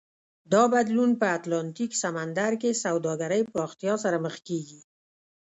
دا بدلون په اتلانتیک سمندر کې سوداګرۍ پراختیا سره مخ کېږي.